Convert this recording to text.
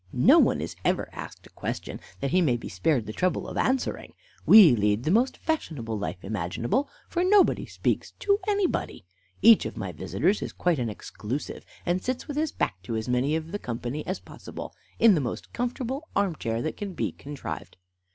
No one is ever asked a question, that he may be spared the trouble of answering. We lead the most fashionable life imaginable, for nobody speaks to anybody. Each of my visitors is quite an exclusive, and sits with his back to as many of the company as possible, in the most comfortable arm chair that can be contrived.